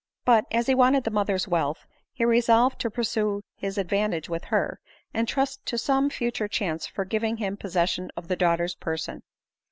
But, as he wanted the mother's wealth, be resolved to pursue his advantage with her, and trust to some future chance for giving him possession of the daughter's per son.